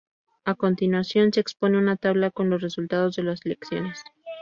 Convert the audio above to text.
A continuación se expone una tabla con los resultados de las elecciones.